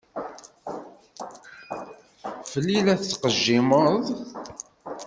Fell-i i la tettqejjimeḍ?